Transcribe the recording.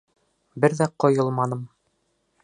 Бер ҙә ҡойолманым.